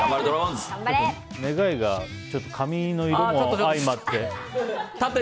願いが紙の色も相まって。